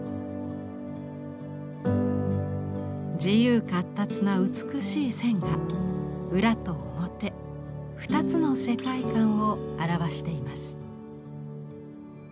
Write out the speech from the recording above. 自由闊達な美しい線が裏と表２つの世界観を表しています。